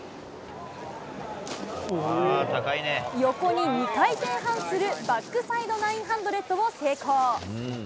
横に２回転半する、バックサイド９００を成功。